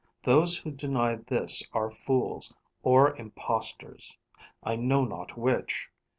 Those who deny this are fools, or imposters, I know not which.